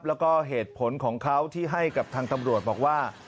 แล้วก็เหตุผลของเขาที่ให้กับทางตำรวจบอกว่า